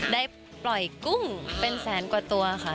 ได้ปล่อยกุ้งเป็นแสนกว่าตัวค่ะ